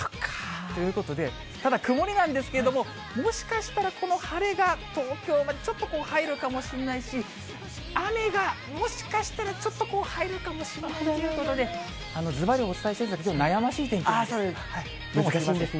ということで、ただ、曇りなんですけれども、もしかしたら、この晴れが東京までちょっと入るかもしれないし、雨が、もしかしたらちょっとこう、入るかもしれないということで、すばりお伝えせずに、悩ましい天気なんです。